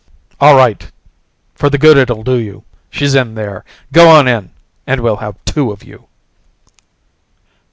"All right for the good it'll do you. She's in there. Go on in and we'll have two of you!"